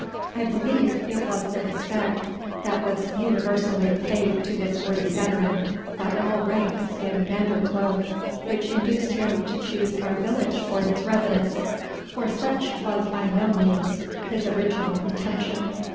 I believe it was the respect that was universally paid to this worthy veteran by all ranks in Gandercleugh which induced him to choose our village for his residence, for such was by no means his original intention.